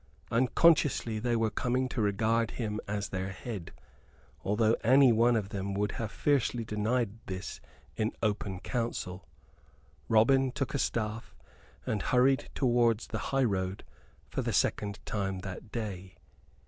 Unconsciously they were coming to regard him as their head, although any one of them would have fiercely denied this in open council. Robin took a staff, and hurried towards the highroad for the second time that day.